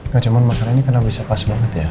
gajaman masalah ini kenapa bisa pas banget ya